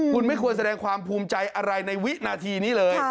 คุณไม่ควรแสดงความภูมิใจอะไรในวินาทีนี้เลย